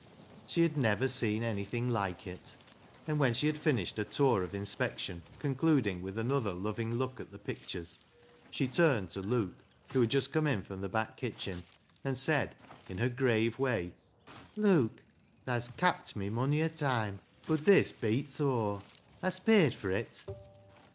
She had never seen anything like it ; and when she had finished her tour of in spection, concluding with another loving look at the pictures, she turned to Luke, who had just come in from the back kitchen, and said, in her grave way —" Luke, tha's capped me mony a toime, bud this beeats aw. Hast paid fur it?"